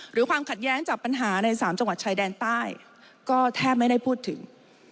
ความขัดแย้งจากปัญหาในสามจังหวัดชายแดนใต้ก็แทบไม่ได้พูดถึง